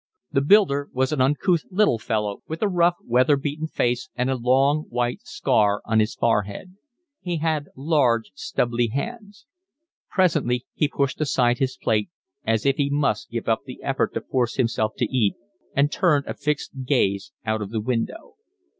The builder was an uncouth little fellow with a rough, weather beaten face and a long white scar on his forehead; he had large, stubbly hands. Presently he pushed aside his plate as if he must give up the effort to force himself to eat, and turned a fixed gaze out of the window.